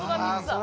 あ